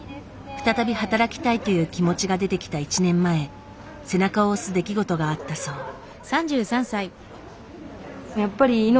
再び働きたいという気持ちが出てきた１年前背中を押す出来事があったそう。